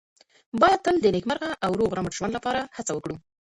باید تل د نېکمرغه او روغ رمټ ژوند لپاره هڅه وکړو.